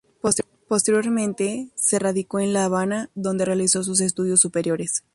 Posteriormente, se radicó en La Habana, donde realizó sus estudios superiores.